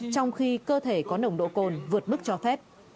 trong khi cơ thể có nồng độ cồn vượt mức cho phép